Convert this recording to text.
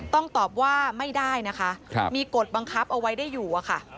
ตอบว่าไม่ได้นะคะมีกฎบังคับเอาไว้ได้อยู่อะค่ะ